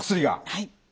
はい。